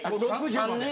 ３年？